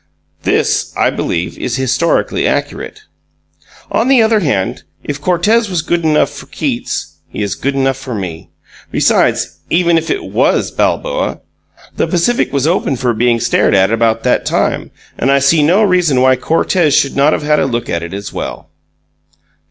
This, I believe, is historically accurate. On the other hand, if Cortez was good enough for Keats, he is good enough for me. Besides, even if it was Balboa, the Pacific was open for being stared at about that time, and I see no reason why Cortez should not have had a look at it as well.